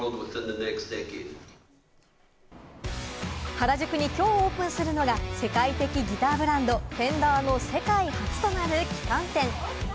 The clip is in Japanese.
原宿にきょうオープンするのが、世界的ギターブランド・Ｆｅｎｄｅｒの世界初となる旗艦店。